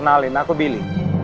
kenalin aku billy